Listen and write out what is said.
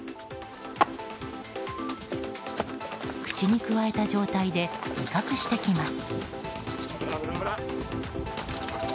口にくわえた状態で威嚇してきます。